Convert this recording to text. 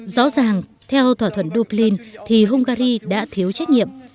rõ ràng theo thỏa thuận dublin thì hungary đã thiếu trách nhiệm